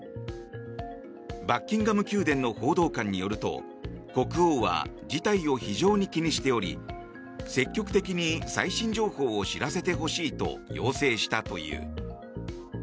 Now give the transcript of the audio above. バッキンガム宮殿の報道官によると国王は事態を非常に気にしており積極的に最新情報を知らせてほしいと要請したという。